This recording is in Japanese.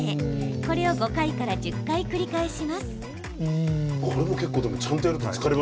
これを５回から１０回繰り返します。